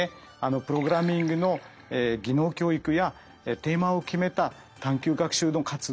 プログラミングの技能教育やテーマを決めた探究学習の活動。